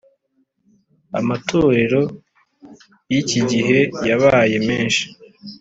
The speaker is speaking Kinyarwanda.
Amatorero yikigihe yabaye menshi